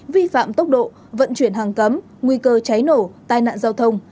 vi phạm tốc độ vận chuyển hàng cấm nguy cơ cháy nổ tai nạn giao thông